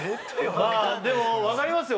まあでも分かりますよ